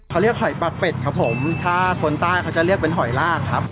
เขาเรียกหอยปักเป็ดครับผมถ้าคนใต้เขาจะเรียกเป็นหอยลากครับ